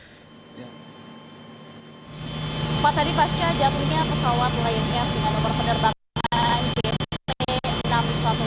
pada hari pasca jatuhnya pesawat lion air dengan nomor penerbangan jmp enam ratus sepuluh pa lstd